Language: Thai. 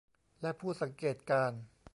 และผู้สังเกตการณ์